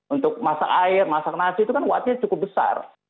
untuk masak air masak nasi itu kan kuatnya cukup besar